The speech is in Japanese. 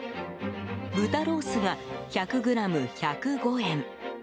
豚ロースが１００ｇ１０５円。